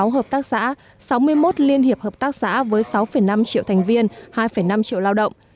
hai mươi một hai mươi sáu hợp tác xã sáu mươi một liên hiệp hợp tác xã với sáu năm triệu thành viên hai năm triệu lao động